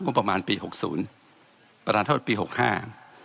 ว่าประมาณปีหกศูนย์ประมาณเท่าที่ปีหกห้า